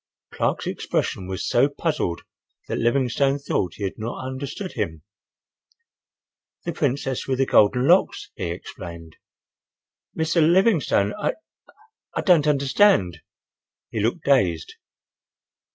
Clark's expression was so puzzled that Livingstone thought he had not understood him. "'The Princess with the Golden Locks,'" he explained. "Mr. Livingstone!—I—I don't understand." He looked dazed.